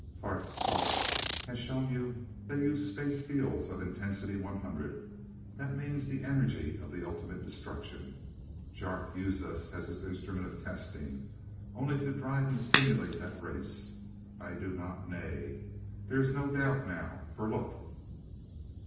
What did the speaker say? Farth Skalt has shown you they use space fields of intensity 100. That means the energy of the ultimate destruction. Jarth used us as his instrument of testing, only to drive and stimulate that race. I do not nay. There is no doubt now, for look."